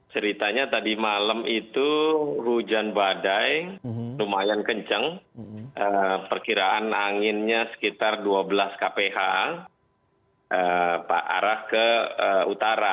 ceritanya tadi malam itu hujan badai lumayan kencang perkiraan anginnya sekitar dua belas kph arah ke utara